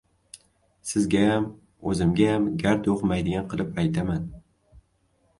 Sizgayam, o‘zimgayam gard yuqmaydigan qilib aytaman.